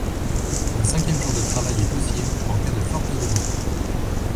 Un cinquième jour de travail est possible en cas de forte demande.